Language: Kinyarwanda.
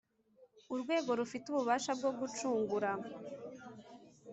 Urwego rufite ububasha bwo gucungura